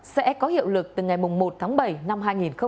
sẽ có hiệu lực từ ngày một tháng bảy năm hai nghìn hai mươi